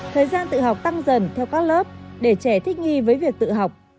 thời gian tự học tăng dần theo các lớp để trẻ thích nghi với việc tự học